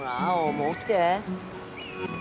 もう起きて。